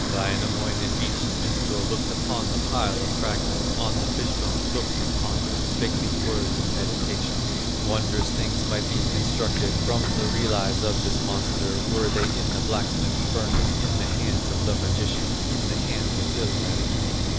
Wainamoinen, ancient minstrel, Looked upon the pile of fragments, On the fish bones looked and pondered, Spake these words in meditation: "Wondrous things might be constructed From the relics of this monster, Were they in the blacksmith's furnace, In the hands of the magician, In the hands of Ilmarinen."